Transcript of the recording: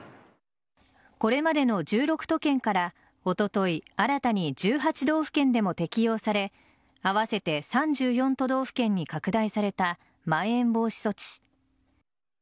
これまでの１６都県からおととい新たに１８道府県でも適用され合わせて３４都道府県に拡大されたまん延防止措置。